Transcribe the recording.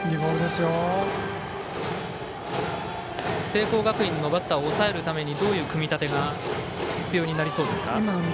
聖光学院のバッターを抑えるためにどういう組み立てが必要になりそうですか。